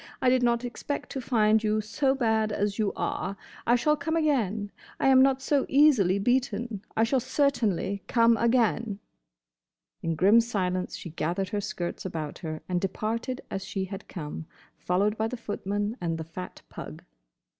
I did not expect to find you so bad as you are. I shall come again. I am not so easily beaten. I shall certainly come again!" In grim silence she gathered her skirts about her and departed as she had come, followed by the footman and the fat pug.